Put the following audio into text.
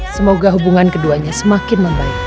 semoga hubungan keduanya semakin membaik